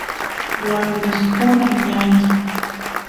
warmispura ñaña